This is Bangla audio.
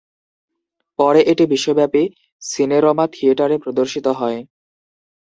পরে এটি বিশ্বব্যাপী সিনেরমা থিয়েটারে প্রদর্শিত হয়।